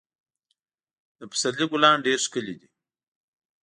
د پسرلي ګلان ډېر ښکلي دي.